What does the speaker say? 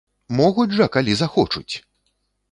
Могуць жа, калі захочуць!